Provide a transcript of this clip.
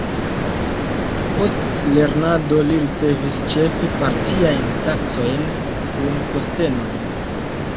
Post lernado li ricevis ĉefe partiajn taskojn kun postenojn.